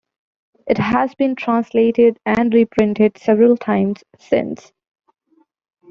It has been translated and reprinted several times since.